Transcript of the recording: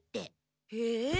へえ。